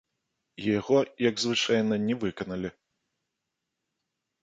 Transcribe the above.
І яго, як звычайна, не выканалі.